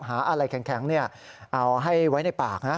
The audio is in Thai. หาอะไรแข็งเอาให้ไว้ในปากนะ